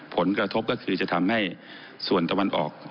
ผลกระทบก็คือจะทำให้ส่วนตะวันออก